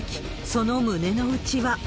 その胸の内は。